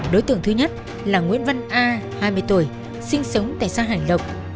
đối tượng thứ nhất là nguyễn văn a hai mươi tuổi sinh sống tại xã hải lộc